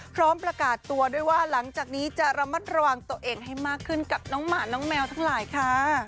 พร้อมประกาศตัวด้วยว่าหลังจากนี้จะระมัดระวังตัวเองให้มากขึ้นกับน้องหมาน้องแมวทั้งหลายค่ะ